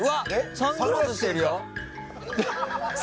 サングラスしてるんだ。